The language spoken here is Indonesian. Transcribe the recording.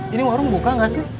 ini warung buka nggak sih